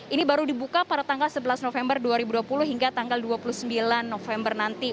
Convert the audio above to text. ini baru dibuka pada tanggal sebelas november dua ribu dua puluh hingga tanggal dua puluh sembilan november nanti